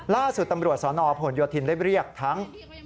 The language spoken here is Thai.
ล่าสุดตำรวจสนผลโยธินได้เรียกทั้ง